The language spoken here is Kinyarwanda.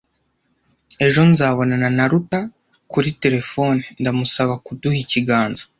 Ejo nzabonana na Ruta kuri terefone ndamusaba kuduha ikiganza.